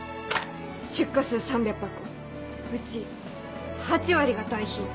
出荷数３００箱うち８割が代品。